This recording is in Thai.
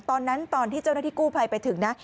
ตอนที่เจ้าหน้าที่กู้ภัยไปถึงนะ